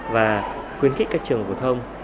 và khuyến khích các trường hội thông